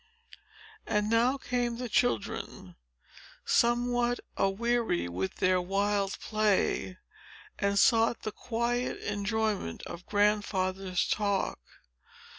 And now came the children, somewhat aweary with their wild play, and sought the quiet enjoyment of Grandfather's talk.